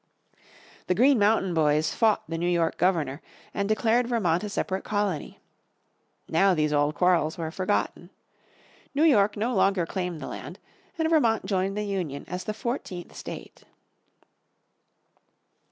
The Green Mountain Boys fought the New York Governor and declared Vermont a separate colony. Now these old quarrels were forgotten. New York no longer claimed the land, and Vermont joined the Union as the fourteenth state.